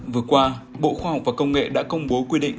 vừa qua bộ khoa học và công nghệ đã công bố quy định